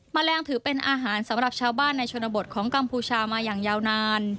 แมลงถือเป็นอาหารสำหรับชาวบ้านในชนบทของกัมพูชามาอย่างยาวนาน